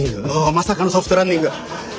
まさかのソフトランニング。